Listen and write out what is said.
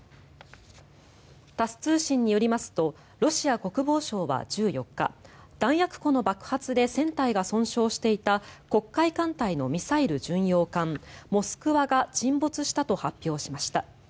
タス通信によりますとロシア国防省は１４日弾薬庫の爆発で船体が損傷していた黒海艦隊のミサイル巡洋艦「モスクワ」が沈没したと発表しました。